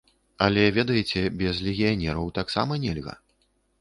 Але ведаеце, без легіянераў таксама нельга.